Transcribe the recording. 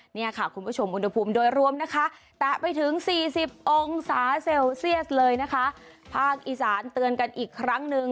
เนี่ยค่ะคุณผู้ชมอุณหภูมิโดยรวมนะคะแตะไปถึงสี่สิบองศาเซลเซียสเลยนะคะภาคอีสานเตือนกันอีกครั้งหนึ่ง